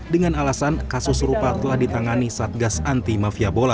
dengan alasan kasus serupa telah ditangani satgas anti mafia bola